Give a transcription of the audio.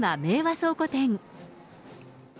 倉庫店。